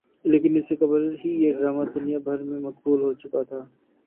لیکن اس سے قبل ہی یہ ڈرامہ دنیا بھر میں مقبول ہوچکا تھا